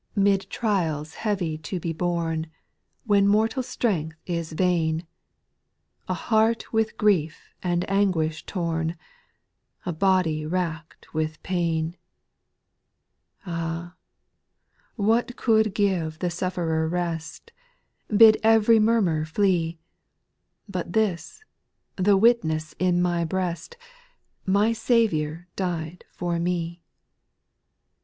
' Mid trials heavy to be ]x)rne. When mortal strcngtVi \a '^^Iycl^ — 120 SPIRITUAL SONGS. A heart with grief and anguish torn, — A body rackM with pain, — Ah I 3;i^at could give the sufferer rest, Bid every murmur flee, But this, the witness in my breast, My Saviour died for me 1 4.